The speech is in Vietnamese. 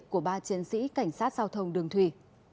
của ba chiến sĩ cảnh sát giao thông đường thủy